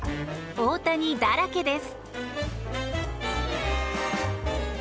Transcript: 大谷だらけです。